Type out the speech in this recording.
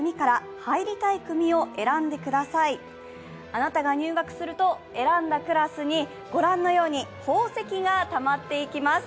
あなたが入学すると選んだクラスにごらんのように宝石がたまっていきます。